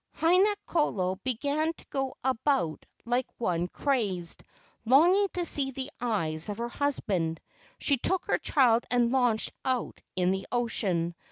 Haina kolo began to go about like one crazed, longing to see the eyes of her husband. She took her child and launched out in the ocean.